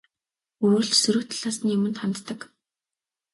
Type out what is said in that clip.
Үргэлж сөрөг талаас нь юманд ханддаг.